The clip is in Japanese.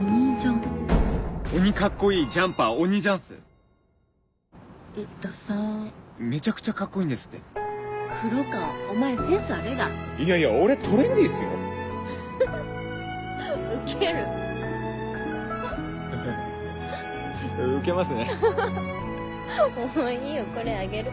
もういいよこれあげる。